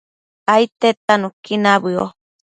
aidtedta nuqui nabëo